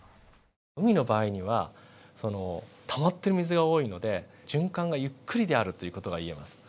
海の場合にはそのたまっている水が多いので循環がゆっくりであるという事がいえます。